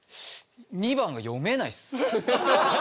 ２番は読めないっす。